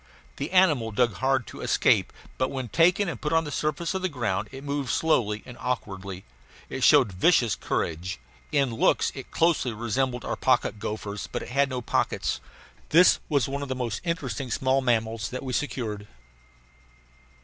The animal dug hard to escape, but when taken and put on the surface of the ground it moved slowly and awkwardly. It showed vicious courage. In looks it closely resembled our pocket gophers, but it had no pockets. This was one of the most interesting small mammals that we secured.